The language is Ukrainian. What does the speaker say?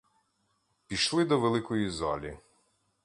Пішли до великої залі.